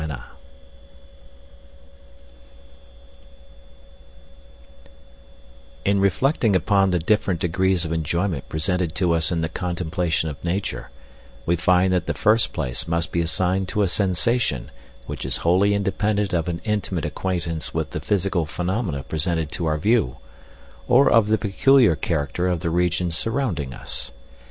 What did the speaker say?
In reflecting upon the different degrees of enjoyment presented to us in the contemplation of nature, we find that the first place must be assigned to a sensation, which is wholly independent of an intimate acquaintance with the physical phenomena presented to our view, or of the peculiar character of the region surrounding us.